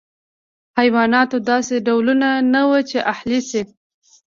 د حیواناتو داسې ډولونه نه وو چې اهلي شي.